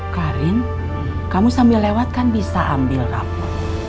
karin kamu sambil lewat kan bisa ambil rapuh